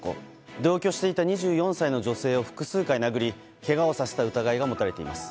同居していた２４歳の女性を複数回殴りけがをさせた疑いが持たれています。